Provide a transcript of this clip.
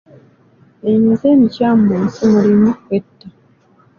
Emize emikyamu mu nsi mulimu okwetta.